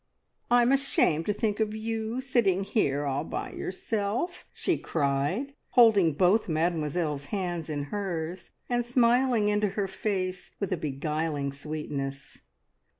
"I'm ashamed to think of you sitting here all by yourself!" she cried, holding both Mademoiselle's hands in hers, and smiling into her face with a beguiling sweetness.